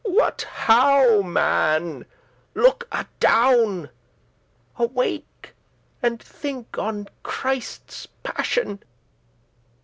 what how, man? look adown: Awake, and think on Christe's passioun.